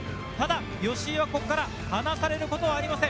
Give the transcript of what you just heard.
吉居はここから離されることはありません。